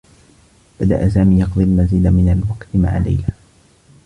بدأ سامي يقضي المزيد من الوقت مع ليلى.